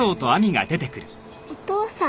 お父さん。